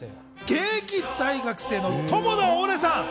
現役大学生の友田オレさん。